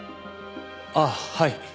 あっはい。